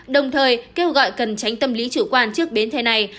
đồng thời kêu gọi cần tránh tâm lý chủ quan trước biến thể này